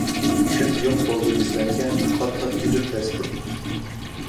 كۈن يوق بولدى بىزلەرگە, قاتتىق تۈزۈم دەستىدىن.